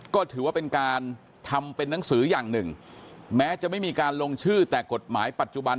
ก็ถือว่าเป็นการทำเป็นนังสืออย่างหนึ่งแม้จะไม่มีการลงชื่อแต่กฎหมายปัจจุบัน